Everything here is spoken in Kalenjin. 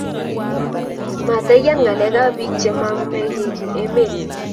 Matoiyan ngalek ab pik che mamakenkii emet